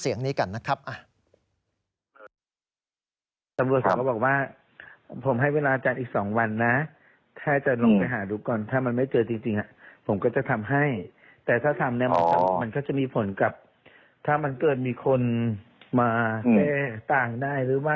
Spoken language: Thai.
อย่างของคลิปเสียงคลิปนี่กันนะครับ